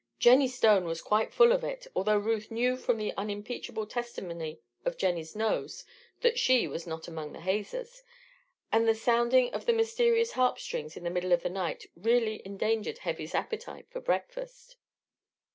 Jennie Stone was quite full of it, although Ruth knew from the unimpeachable testimony of Jennie's nose that she was not among the hazers; and the sounding of the mysterious harp strings in the middle of the night really endangered Heavy's appetite for breakfast.